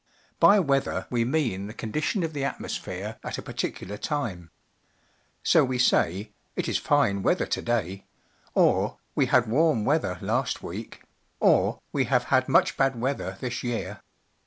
— By weather we mean the condition of the atmosphere at a particular time. So we say, "It is fine weather io day," or "We had warm weather last week," or "We have had much bad weather this year."